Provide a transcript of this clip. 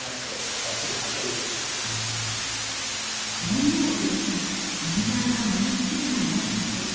燃料を入れたらもみ殻が燃え尽きるのを待つだけ。